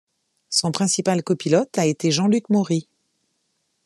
Son principal copilote a été Jean-Luc Maury.